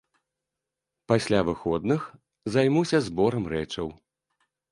Пасля выходных займуся зборам рэчаў.